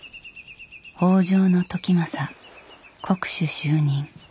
北条時政国守就任。